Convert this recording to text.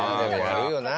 やるよな